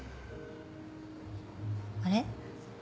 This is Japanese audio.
あれ？